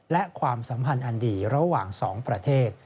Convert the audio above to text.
และความสัมพันธ์อันดีระหว่าง๒ประเทศ